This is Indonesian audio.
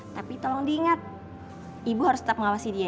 tapi tolong diingat ibu harus tetap mengawasi dia